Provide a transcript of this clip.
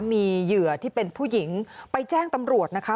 มีเหยื่อที่เป็นผู้หญิงไปแจ้งตำรวจนะคะ